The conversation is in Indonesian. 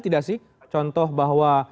tidak sih contoh bahwa